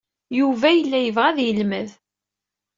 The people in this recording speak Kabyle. Yuba yella yebɣa ad yelmed.